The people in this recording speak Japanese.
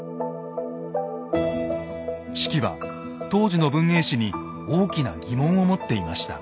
子規は当時の文芸誌に大きな疑問を持っていました。